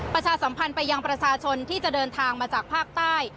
ประชาสัมพันธ์ไปยังประชาชนที่จะเดินทางมาจากภาคใต้